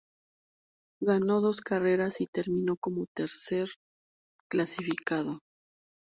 Ganó dos carreras y terminó como tercer clasificado.